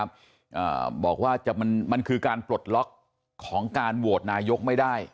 อ่าบอกว่าจะมันมันคือการปลดล็อกของการโหวตนายกไม่ได้